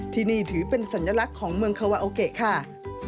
ที่นี่ถือเป็นสัญลักษณ์ของเมืองคาวาโอเกะค่ะ